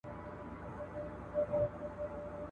جهاني لرم په زړه کي لویه خدایه یوه هیله .